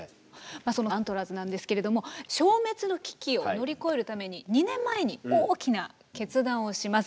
そのアントラーズなんですけれども消滅の危機を乗り越えるために２年前に大きな決断をします。